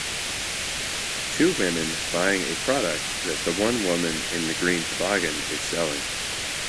Two women buying a product that the one woman in the green toboggan is selling.